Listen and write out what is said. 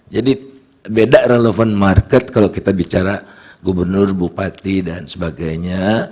jadi beda relevan market kalau kita bicara gubernur bupati dan sebagainya